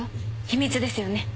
秘密ですよね。